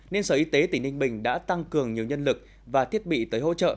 nên sở y tế tỉnh ninh bình đã tăng cường nhiều nhân lực và thiết bị tới hỗ trợ